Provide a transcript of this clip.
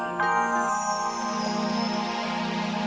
sampai jumpa di video selanjutnya